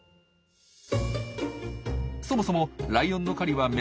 そもそもライオンの狩りはメスの仕事。